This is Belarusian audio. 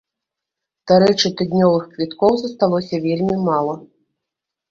Дарэчы, тыднёвых квіткоў засталося вельмі мала.